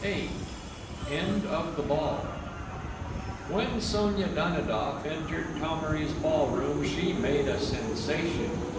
VIII END OF THE BALL When Sonia Danidoff entered Thomery's ball room she made a sensation.